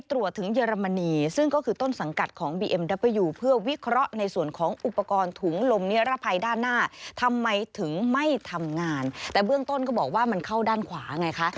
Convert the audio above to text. แต่เบื้องต้นก็บอกว่ามันเข้าด้านขวาไงคะ